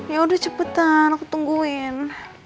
yaudah cepetan aku tungguin